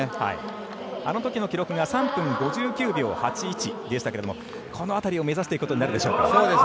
あのときの記録が３分５９秒８１でしたがこの辺りを目指すことになりますか。